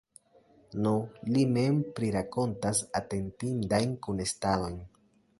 Nu, li mem prirakontas atentindajn kunestadojn.